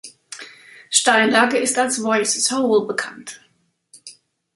Steinlage ist als "„Vyse’s Hole“" bekannt.